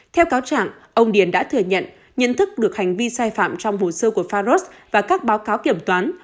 theo cáo trạng ông điền đã thừa nhận nhận thức được hành vi sai phạm trong hồ sơ của faros và các báo cáo kiểm toán